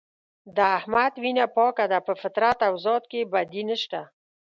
د احمد وینه پاکه ده په فطرت او ذات کې یې بدي نشته.